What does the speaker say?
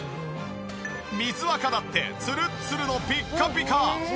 水あかだってツルッツルのピッカピカ！